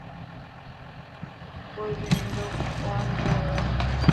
ڪوئي بهي ننڊو ڪونٿو هئي.